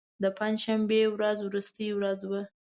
د پنج شنبې ورځ وروستۍ ورځ وه.